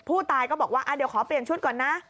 ผู้ตายก็บอกว่าเดี๋ยวขอเปลี่ยนชุดก่อนนะ